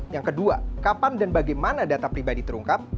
yang kedua kapan dan bagaimana data pribadi terungkap